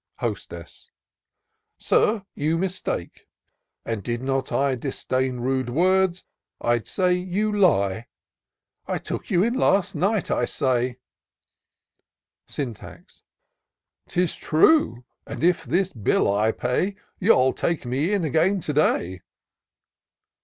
Hostess. " Sir, you mistake ; and did not I Disdain rude words, I'd say — ^you lie. I took you in last night, I say," — Syntax. " 'Tis true ;— and if this bill I pay, You'll taJce me in again to day."